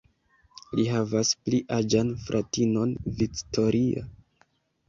Li havas pli aĝan fratinon Victoria.